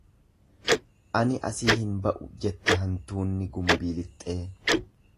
Ani asii hin ba'u jette hantuunni gumbii lixxee.